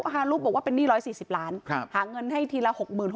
ฮารุบอกว่าเป็นหนี้๑๔๐ล้านหาเงินให้ทีละ๖๖๐